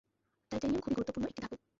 Titanium খুবই গুরুত্বপূর্ণ একটি ধাতু।